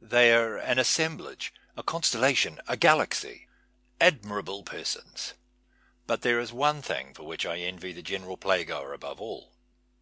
They are an assemblage, a constellation, a galaxy. Admirable persons ! But there is one thing lor which I cii\y the general playgoer above all.